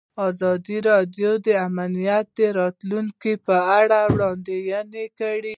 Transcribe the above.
ازادي راډیو د امنیت د راتلونکې په اړه وړاندوینې کړې.